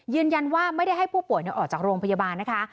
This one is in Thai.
ยืนยันว่าไม่ได้ให้ผู้ป่วยออกจากโรงพยาบาลนะคะ